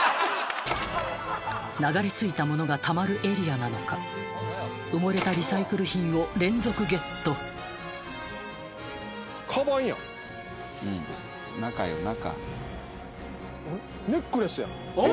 流れ着いたものがたまるエリアなのか埋もれたリサイクル品を連続ゲットカバンや。